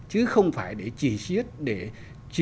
chứ không phải để chỉ xiết để chỉ